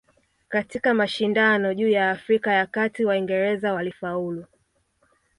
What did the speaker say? Katika mashindano juu ya Afrika ya Kati Waingereza walifaulu